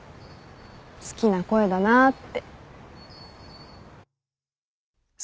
好きな声だなあって。